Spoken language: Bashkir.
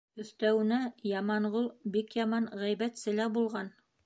Өҫтәүенә, Яманғол бик яман ғәйбәтсе лә булған.